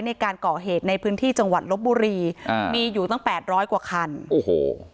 ในการเกาะเหตุในพื้นที่จังหวัดลบบุรีมีอยู่ตั้ง๘๐๐กว่าคันโอ้โห